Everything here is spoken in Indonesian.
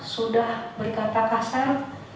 sudah berkata kasar